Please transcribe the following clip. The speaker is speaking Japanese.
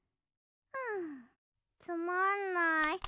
んつまんない。